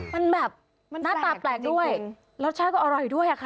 มันแบบหน้าตาแปลกด้วยรสชาติก็อร่อยด้วยอะค่ะ